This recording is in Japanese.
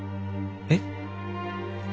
えっ？